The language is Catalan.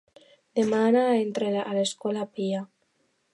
Demanà entrar a l'Escola Pia.